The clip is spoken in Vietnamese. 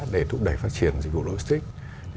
để thúc đẩy phát triển dịch vụ logistics